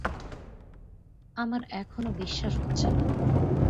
আমার এখনো বিশ্বাস হচ্ছে না।